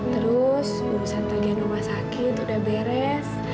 terus urusan bagian rumah sakit udah beres